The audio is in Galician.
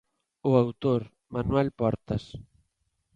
O autor, Manuel Portas.